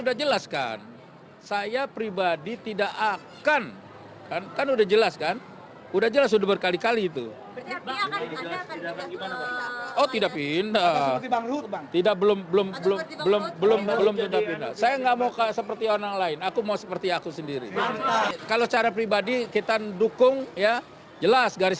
haji lulung juga menegaskan saat ini dirinya tetap menjadi kader p tiga kubu jan farid